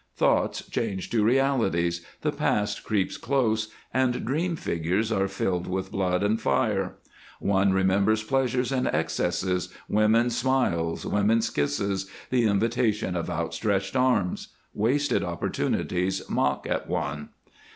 Thoughts change to realities, the past creeps close, and dream figures are filled with blood and fire. One remembers pleasures and excesses, women's smiles, women's kisses, the invitation of outstretched arms. Wasted opportunities mock at one.